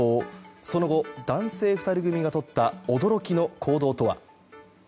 その後、男性２人組がとった驚きの行動とは。